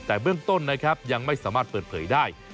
แต่เบื้องต้นนะครับยังไม่สามารถเปิดเผยได้